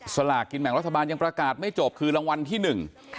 สลากกินแบ่งรัฐบาลยังประกาศไม่จบคือรางวัลที่หนึ่ง